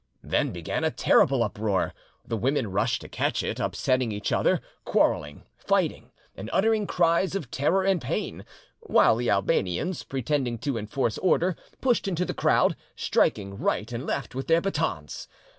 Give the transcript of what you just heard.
Then began a terrible uproar. The women rushed to catch it, upsetting each other, quarreling, fighting, and uttering cries of terror and pain, while the Albanians, pretending to enforce order, pushed into the crowd, striking right and left with their batons.